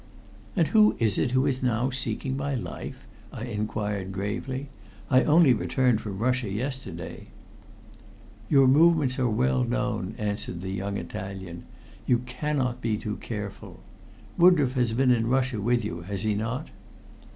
"And who is it who is now seeking my life?" I inquired gravely. "I only returned from Russia yesterday." "Your movements are well known," answered the young Italian. "You cannot be too careful. Woodroffe has been in Russia with you, has he not?"